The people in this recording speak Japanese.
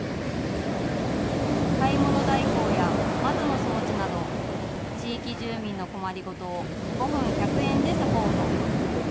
買い物代行や窓の掃除など、地域住民の困りごとを５分１００円でサポート。